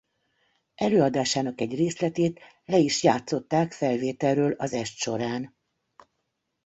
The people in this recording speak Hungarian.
Előadásának egy részletét le is játszották felvételről az est során.